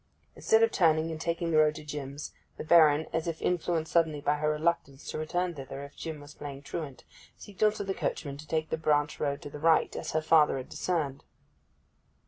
Instead of turning and taking the road to Jim's, the Baron, as if influenced suddenly by her reluctance to return thither if Jim was playing truant, signalled to the coachman to take the branch road to the right, as her father had discerned.